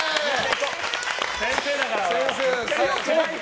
先生だから、俺は。